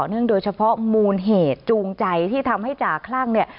โดยเฉพาะมูลเหตุจูงใจที่ทำให้จ่าคลั่งเนี่ย